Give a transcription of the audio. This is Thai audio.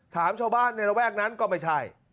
ถามชาวบ้านในระแวกนั้นก็ไม่ใช่